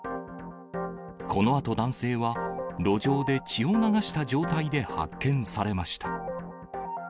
このあと男性は、路上で血を流した状態で発見されました。